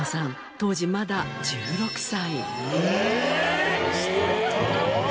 当時まだ１６歳。